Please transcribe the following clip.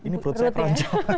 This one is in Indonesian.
ini pelut saya keren